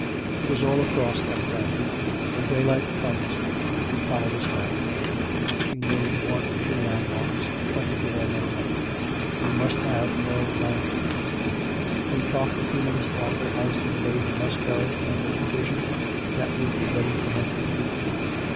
It is all across that ground. When daylight comes you can follow this map." (She named one or two landmarks, pointing to them on the map.) " You must have no lantern." They talked a few minutes longer as to the way he must go and the provision that would be ready for him.